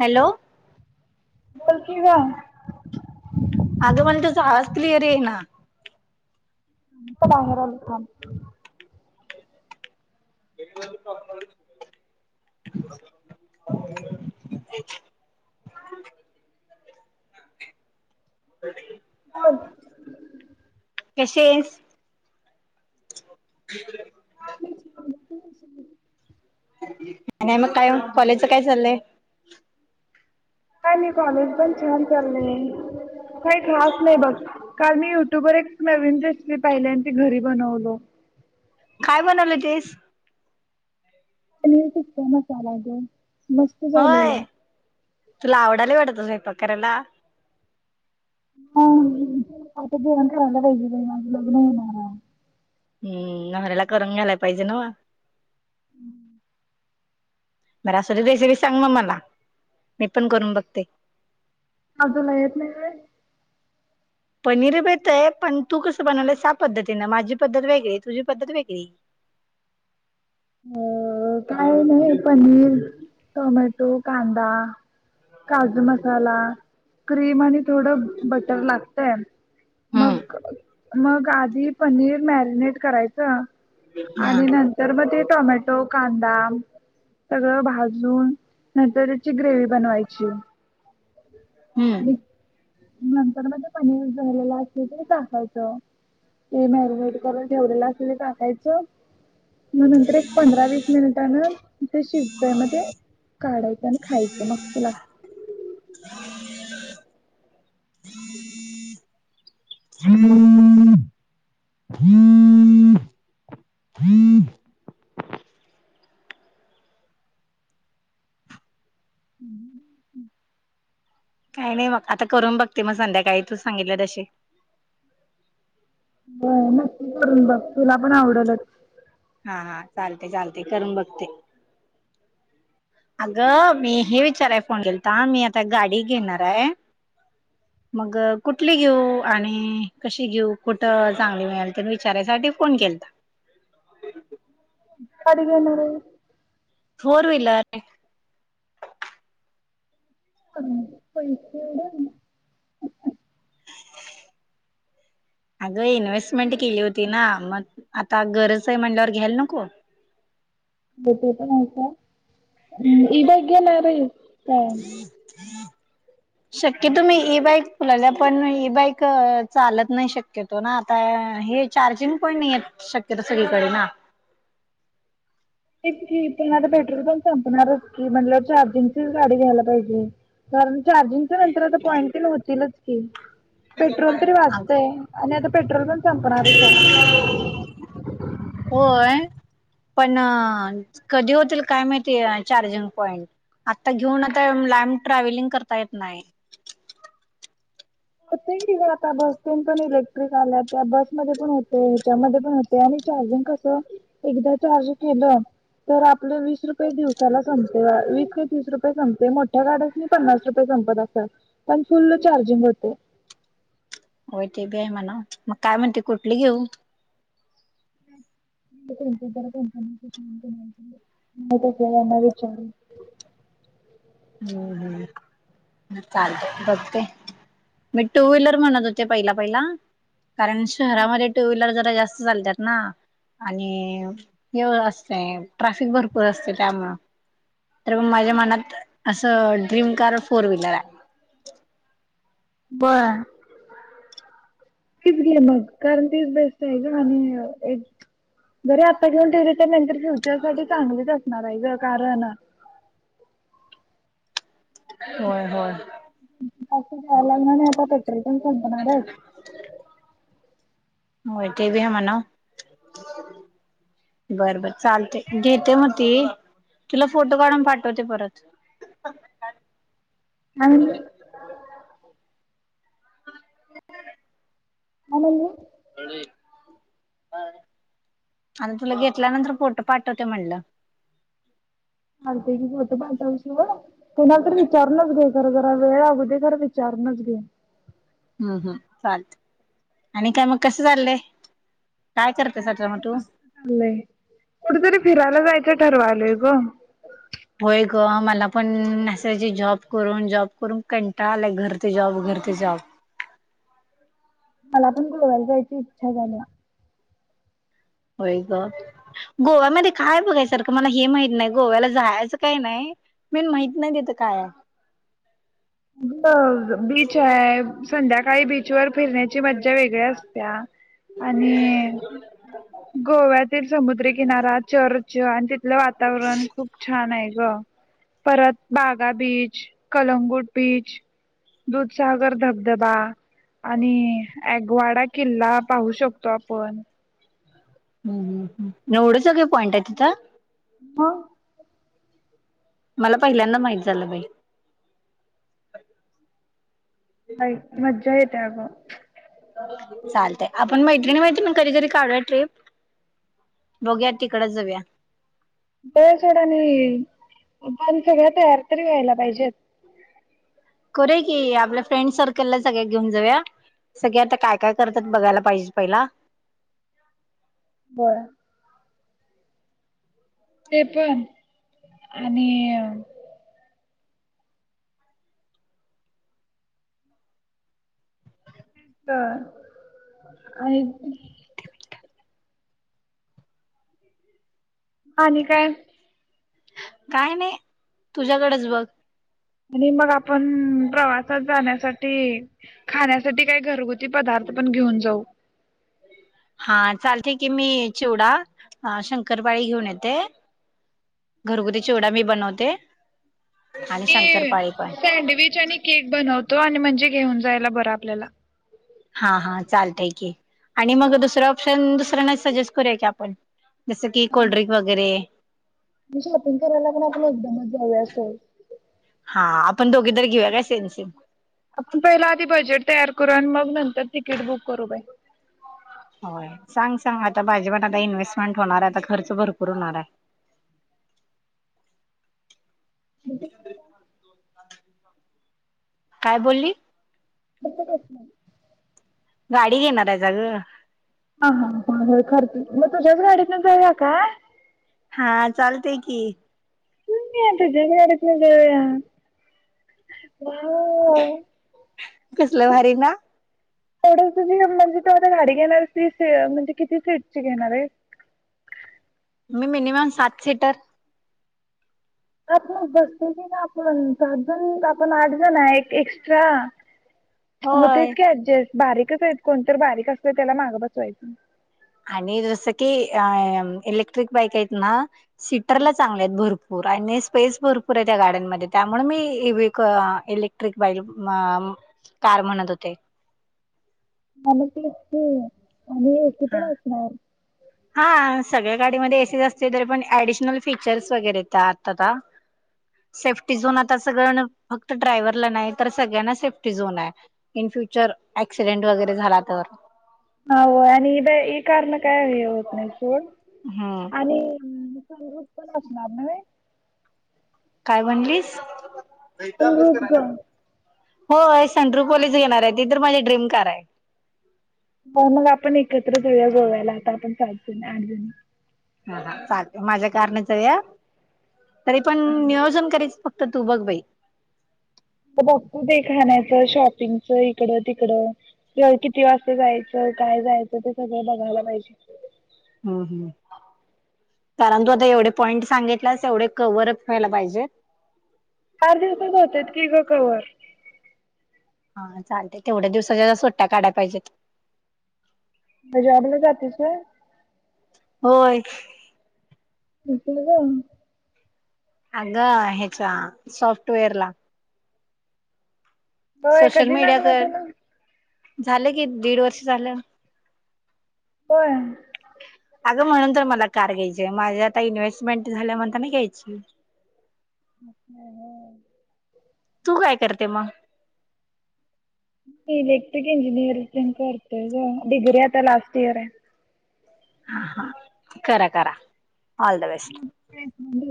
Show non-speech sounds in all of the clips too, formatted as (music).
Hello चल की ग अगं मला तुझा आवाज क्लिअर येईना. मी बाहेर आले थांब ह्याच्या आधी (unintelligible) हा दे म्हण कशी आहेस? आणि मग काय कॉलेजच काय चालय? काय नाही कॉलेज पण छान चाललंय काही खास नाही बघ, काल मी युट्यूब वर एक नवीन रेसिपी पाहिली आणि ती घरी बनवलो काय बनवली होतीस पनीर टिक्का मसाला गं होय तुला आवडालय वाटत स्वयंपाक करायला हा आता जेवण करायला पाहिजे माझं लग्न होणार हाय. हम्म नवऱ्याला करून घालायला पाहिजे नव्हं. हम्म बर असूदे रेसिपी सांग ना मला मी पण करून बघते. का तुला येत नाही व्हयं पनीर बी येतंय, पण तू कसं बनवलंय त्या पद्धतीनं, माझी पद्धत वेगळी तुझी पद्धत वेगळी. अ काय नाही पनीर, टोमॅटो, कांदा काजू मसाला क्रीम आणि थोडं बटर लागतंय हम्म मग मग आधी पनीर मॅरिनेट करायचं हा आणि नंतर मग ते टोमॅटो, कांदा सगळं भाजून नंतर त्यांची ग्रेव्ही बनवायची ह नंतर म ते पनीर झालेलं असलं तर टाकायचं ते मॅरिनेट करायला ठेवलेलं असतय ते टाकायचं मग नंतर एक पंधरा वीस मिनिटानं ते शिजतंय मग ते काढायचं आणि खायचं मस्त लागतंय हम्म काही नाही बग आता करून बघते मग संध्याकाळी तू सांगितलं तशी बरं मग नक्कीच करून बघ तुला पण आवडलच. हा हा चालतय चालतय करून बघते अगं मी हे विचाराय फोन केलता, मी आता गाडी एक घेणार हाय. ह मग कुठली घेऊ आणि कशी घेऊ कुठं चांगली मिळेल ते विचारायसाठी फोन केलता कधी घेणार हाईस फोर व्हीलर (unintelligible) पण पैसे (unintelligible) अगं इनवेस्टमेंट केली होती ना मग आता गरज आहे म्हंल्यावर घ्यायला नको (unintelligible) हम् शक्यतो ई बाईक कुणाला पण ई बाईक चालत नाही शक्य तो ना आता हे चार्जिंग पाँईट नाहीय शक्यतो सगळीकडे ना तेच की पण आता पेट्रोल पण संपणारच की म्हंटल्यावर चार्जिंगचीच गाडी घ्यायला पाहिजे कारण चार्जिंगच्या नंतर आता पॉईंट होतीलच की पेट्रोल तरी वाचतयं आणि आता पेट्रोल पण संपणारच आहे होय पण कधी होतील काय माहिती चार्जिंग पॉईंट आत्ता घेऊन आता लांब ट्रॅव्हलिंग करता येत नाही (unintelligible) होय की गं आता बसतेन पण इलेक्ट्रिक आल्यात बसमध्ये पण होतंय ह्याच्यामध्ये पण होत ते आणि चार्जिंग कसं एकदा चार्ज केलं तर आपलं वीस रुपये दिवसाला संपतय वीस ते तीस रुपये संप र मोठ्या गाड्यासणी पन्नास रुपये संपत असलं, पण फुल्ल चार्जिंग होतंय होय ते बी आहे म्हणा, मग काय म्हणते कुठली घेऊ विचारून हम् होम (unintelligible) चालत बघते मी टू व्हीलर म्हणत होते पहिला पहिला कारण शहरामध्ये टू व्हीलर जरा जास्त (unintelligible) चालतात ना, आणि हे असते ट्राफिक भरपूर असते त्यामूळं. तर मग माझ्या मनात असं ड्रीम कार फोर व्हीलर आहे बरं तीच गे मग कारण तीच बेस्ट आहे ग आणि एक बर आता घेऊन टीट नंतर फ्युचर सा चांगलीच असणार आहे ज कारण होय होय असंय लागणार नाही आता पटरी पण संपणार आहेच हो ते ब हमाणाव बर बर चालते घेते मग त तुला फोटो काढून पाठवते परत अंग (unintelligible) आ म्ह आणि तुला घेतल्यानंतर पोट पाठवते म्हणलं लते की होत पाता शिव कुणाला तर विचारूनच जर जरा वेळ अगोदी घर विचारणच घे (unintelligible) हम् हम् चालत आणि काय मग कसं चाललंय काय करते सटरमटू य कुठेतरी फिरायला जायचं ठरवालंय ग (unintelligible) होय ग मला पण नायचे जॉब करून जॉब करून कंटा आलाय घर ते जॉब घर ते जॉब मला पण गुरवारी जायची इच्छा झाली (unintelligible) होय का (unintelligible) गोव्यामध्ये काय बघायसारखं मला हे माहित नाही गोव्याला जायचं काही नाही मेन माहित नाही तिथं काय आय. ब बीच हाय संध्याकाळी बीचवर फिरण्याची मज्जा वेगळ्या असत्या. आणि गोव्यातील समुद्रीकिनारा चर्च आणि ते तिथल वातावरण खूप छान आहे ग परत बागा बीच कलंगूड बीच दुधसागर धबधबा आणि ऍगवाडा किल्ला पाहू शकतो आपण ह् ह एवढं सगळं पॉईंट आहे तिथं हं मला पहिल्यांदा माहित झालं बाई ह मज्जा येते अग. चालतय. आपण मैत्रिणी, मैत्रिणी कधीतरी काढूया ट्रिप बघूया तिकडचं जाऊया. ब सोडाणी पण सगळ्या तयार तरी व्हायला पाहिजेत करू की आपल्या फ्रेंड सर्कलला सगळ्या घेऊन जाऊया. सगळे आता काय काय करतात बघायला पाहिजे पहिला बरं ते पण आणि का आणि आणि काय? काय नाही तुझ्याकडेच बघ. आणि मग आपण प्रवासात जाण्यासाठी खाण्यासाठी काही घरगुती पदार्थ पण घेऊन जाऊ. हा चालतंय की मी चिवडा शंकरपाळी घेऊन येते. घरगुती चिवडा मी बनवते. आणि शंकरपाळी पण मी सँडविच आणि केक बनवतो आणि म्हणजे घेऊन जायला बरं आपल्याला हा हा चालतय की आणि मग दुसरं ऑप्शन दुसऱ्यांना सजेस्ट करूया की आपण जसं की कोल्ड्रिंक वगैरे म शॉपिंग करायला पण आपण एकदमच जाव्या असचं हा आपण दोघी तर घेऊया का सेम -सेम. आपण पहिला आधी बजेट तयार करू आणि मग नंतर तिकीट बुक करू बाई. होय सांग, सांग आता भाजीपाला आता इन्व्हेस्टमेंट होणार हाय आता खर्च भरपूर होणार हाय. (inaudible) काय बोललीसं (inaudible) गाडी घेणार आहेसा गं हा हा हो हो खरच मग तुझ्याच गाडीन जाया का? हा चालतय की निवांत जिब गाडीतंनं जाऊया. वावं कसलं भारी ना. तेवढं तुझी म्हणजे तू आता गाडी घेणारं असलीस ती म्हणजे किती सीट ची घेणार आहेसं? मी मिनिमम सात सीटर. आपण बसतोय की गं आपण सात जण आपण आठ जण आहे एक एक्स्ट्रा होय. होतयचं की ऍडजस्ट बारीकच आहेत कोणत तर बारीक असतंय त्याला माग बसवायचं. आणि जसं की इलेक्ट्रिक बाईक आहेत ना सीटरला चांगले आहेत भरपूर पूर आणि स्पेस भरपूर आहे त्या गार्डनमध्ये त्यामुळे मी इलेक्ट्रिक बाई कार म्हणत होते म्हणून तेच की आणी ए सी पण असणार हा सगळ्या गाडीमध्ये एसी असते तरी पण ऍडिशनल फीचर्स वगैरे त्या आत आता सेफ्टी झोन आता सगळ फक्त ड्रायव्हरला नाही तर सगळ्यांना safety zone high in future accident वगैरे झाला तर ह होय आणि इ कार न काय हे होत नाही सोड. हम्. आणि पण असणार. काय म्हणलीस अभ्यास सनरूफ करायला. ग हो सेंट्रू कॉलेज घेणार आहे ती तर माझी ड्रीम कार आहे. हो मग आपण एकत्र होऊया गोव्याला आता आपण सात जण आठ जण हा हा चाल माझ्या कारणाचं या तरी पण नियोजन करायचं फत. तर तू बघ बाई. बघत ते खाण्याचं शॉपिंगच इकडं तिकडं. किती वाजता जायचं काय जायचं ते सगळं बघायला पाहिजे. हं हं. कारण तू आता एवढे पॉईंट सांगितलास एवढे कवरअप व्हायला पाहिजे. चार दिवसात होत की ग कवर हा चालतेय तेवढ्या दिवसाच्या सुट्ट्या काढाय पाहिजेत. मजाबला जातस ना. होय. लं का? अगं ह्याचा सॉफ्टवेअर ला. होय सोशल कधी लागला तुला? मीडियावर झालं की दीड वर्ष झालं. पण अगं म्हणून तर मला कार घ्यायचे आहे माझी आता इन्व्हेस्टमेंट झाल्या म्हणताना घ्यायची. अच्छा हो. तू काय करते मग मी इलेक्ट्रिक इंजिनिअरिंग पण करतेय ग डिग्री आता लास्ट इयर आहे. हा हा करा करा ऑल द बेस्ट.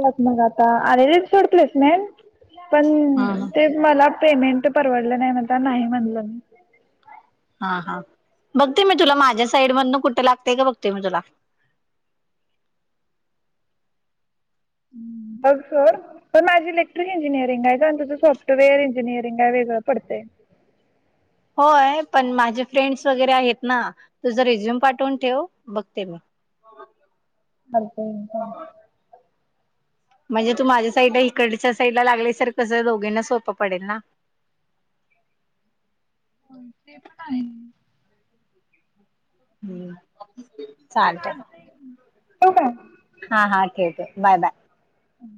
ेत मग आता आलेले ोड प्लेसमेंट पण हम्म ते मला पेमेंट परवडलं नाही मता नाही म्हणलं मी हा हा बघते मी तुला माझ्या साईड मधन कुठं लागतेय का बघते मी तुला बगसोड. पण माझी इलेक्ट्रिक इंजिनिरिंग आहे आणि तुझ सॉफ्टवेअर इंजिनिअरिंग आहे वेगळं पडतय. होय पण माझे फ्रेंड्स वगैरे आहेत ना तुझ रिझ्युम पाठवून ठेव बघते मी. मोबाईल शॉपी (inaudible) म्हणजे तू माझ्या साईडला इकडच्या साईड लागलीसर कसं दोघींना सोपं पडेल ना. हो ते पण आहे. हम्म चालत. ठेऊ काय? हा हा ठीक आहे बाय बाय. हम्.